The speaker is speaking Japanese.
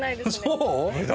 そう？